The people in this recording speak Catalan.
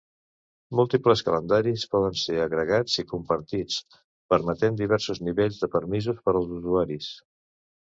Múltiples calendaris poden ser agregats i compartits, permetent diversos nivells de permisos per als usuaris.